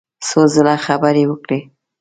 څو ځله خبرې وکړې.